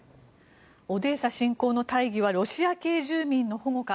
オデーサ侵攻の大義はロシア系住民の保護か。